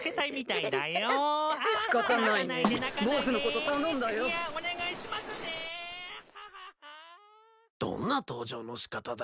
どんな登場の仕方だよ。